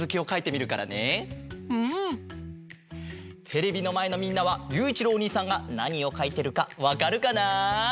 テレビのまえのみんなはゆういちろうおにいさんがなにをかいてるかわかるかな？